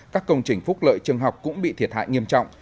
các công trình phúc lợi trường học cũng bị thiệt hại nghiêm trọng